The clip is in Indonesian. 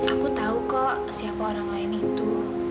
aku tahu kok siapa orang lain itu